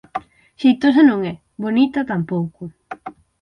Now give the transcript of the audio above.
Xeitosa non é, bonita tampouco